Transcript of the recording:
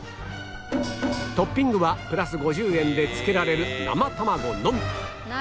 トッピングはプラス５０円でつけられる生卵のみ